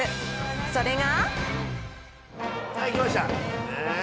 それが。